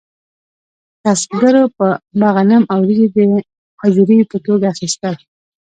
کسبګرو به غنم او وریجې د اجورې په توګه اخیستل.